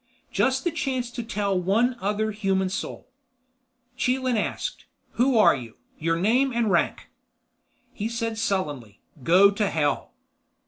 Just the chance to tell one other human soul. Chelan asked, "Who are you? Your name and rank?" He said sullenly, "Go to hell."